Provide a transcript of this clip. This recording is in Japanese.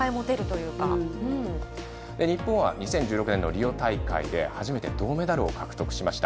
日本は２０１６年のリオ大会で初めて銅メダルを獲得しました。